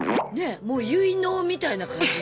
もう結納みたいな感じでしょ？